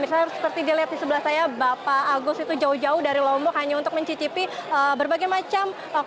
dan saya seperti dia lihat di sebelah saya bapak agus itu jauh jauh dari lombok hanya untuk mencicipi berbagai macam kopi